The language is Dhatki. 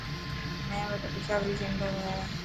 مين وٽا پشاوري سينڊل هي.